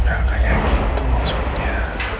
enggak enggak itu maksudnya